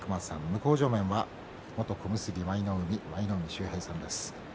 向正面は元小結舞の海舞の海秀平さんです。